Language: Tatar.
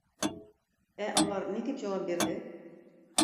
Ә алар ни дип җавап бирде?